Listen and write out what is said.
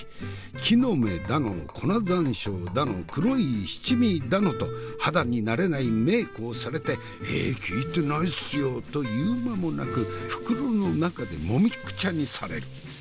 木の芽だの粉山椒だの黒い七味だのと肌に慣れないメークをされて「えっ？聞いてないっすよ」と言う間もなく袋の中で揉みくちゃにされる。